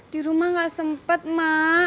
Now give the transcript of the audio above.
di rumah gak sempet mak